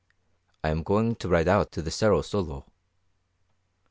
"I am going to ride out to the Cerro Solo."